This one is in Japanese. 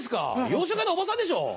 洋食屋のおばさんでしょ？